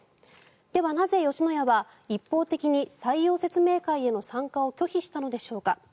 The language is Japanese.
ではなぜ、吉野家は一方的に採用説明会への参加を拒否したのでしょうか。